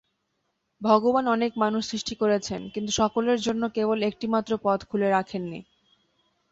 ভগবান অনেক মানুষ সৃষ্টি করেছেন কিন্তু সকলের জন্যে কেবল একটিমাত্র পথ খুলে রাখেন নি।